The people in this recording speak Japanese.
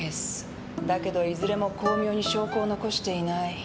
だけどいずれも巧妙に証拠を残していない。